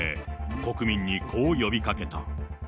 国民にこう呼びかけた。